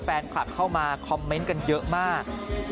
แฟนคลับเข้ามาคอมเมนต์กันเยอะมาก